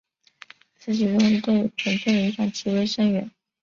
此举动对本线的影响极为深远。